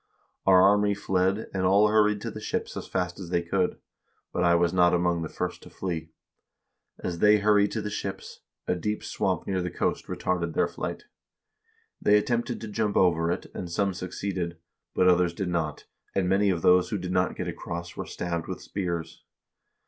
Our army fled, and all hurried to the ships as fast as they could ; but I was not among the first to flee. As they hurried to the ships, a deep swamp near the coast retarded their flight. They attempted to jump over it, and some succeeded, but others did not, and many of those who did not get across were stabbed with spears.